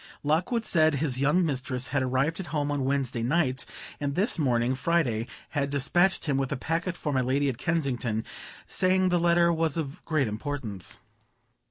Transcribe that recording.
Lockwood said his young mistress had arrived at home on Wednesday night, and this morning, Friday, had despatched him with a packet for my lady at Kensington, saying the letter was of great importance.